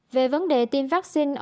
về vấn đề tiêm vaccine